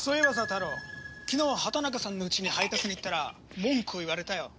タロウ昨日畑中さんの家に配達に行ったら文句を言われたよ。